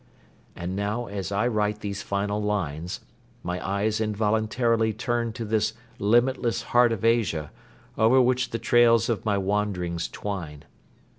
And now, as I write these final lines, my eyes involuntarily turn to this limitless Heart of Asia over which the trails of my wanderings twine.